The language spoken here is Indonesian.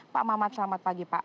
pak mamat selamat pagi pak